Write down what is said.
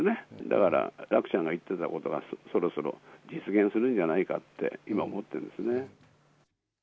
だから楽ちゃんが言ってたことが、そろそろ実現するんじゃないかって、今思ってるんですね。